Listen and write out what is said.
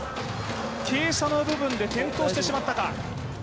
傾斜の部分で転倒してしまったか。